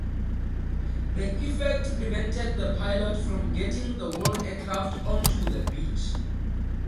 This effect prevented the pilot from getting the whole aircraft onto the beach.